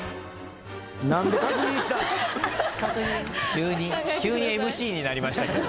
急に急にＭＣになりましたけど。